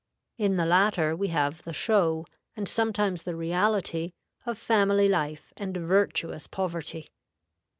In the latter we have the show, and sometimes the reality, of family life and virtuous poverty.